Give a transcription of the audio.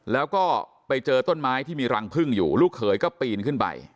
แล้วก็ไปเจอต้นไม้ที่มีรังพึ่งอยู่ลูกเขยก็ปีนขึ้นไป